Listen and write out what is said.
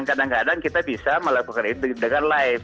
kadang kadang kita bisa melakukan ini dengan live